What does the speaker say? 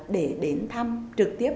để đến thăm trực tiếp